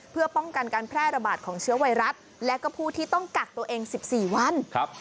เพื่อป้องกันการแพร่ระบาดของเชื้อไวรัสและก็ผู้ที่ต้องกักตัวเอง๑๔วัน